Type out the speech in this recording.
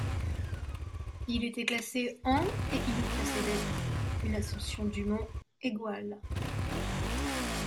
Il était classé en et il précédait une ascension du mont Aigoual.